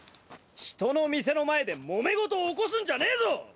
人の店の前でもめ事起こすんじゃねえぞ！